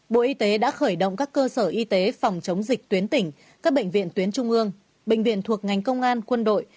bộ y tế đã khởi động các cơ sở y tế phòng chống dịch tuyến tỉnh các bệnh viện tuyến trung ương bệnh viện thuộc ngành công an quân đội